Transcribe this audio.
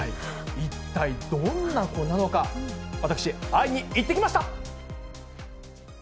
一体どんな子なのか、私、会いに行ってきました。